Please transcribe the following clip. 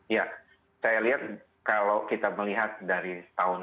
ya saya lihat kalau kita melihat dari tahun ini